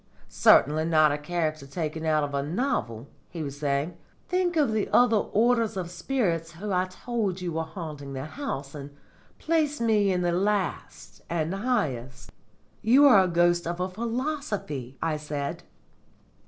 "Certainly not a character taken out of a novel," he was saying. "Think of the other orders of spirits who I told you were haunting the house, and place me in the last and highest." "You are the ghost of a philosophy!" I said.